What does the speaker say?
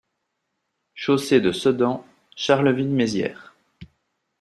Chaussée de Sedan, Charleville-Mézières